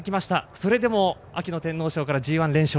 それでも秋の天皇賞からＧＩ連勝。